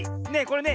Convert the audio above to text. ね